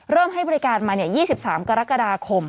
ให้บริการมา๒๓กรกฎาคม